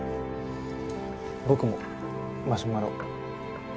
僕もマシュマロ。